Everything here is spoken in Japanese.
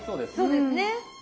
そうですね。